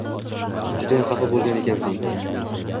judayam xafa bo‘lgan ekansan-da?